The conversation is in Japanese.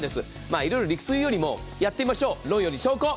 いろいろ理屈言うよりもやってみましょう、論より証拠。